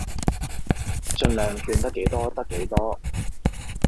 儘量勸得幾多得幾多